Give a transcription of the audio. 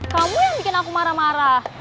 kamu yang bikin aku marah marah